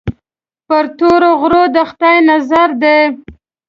پر تورو غرو د خدای نظر دی.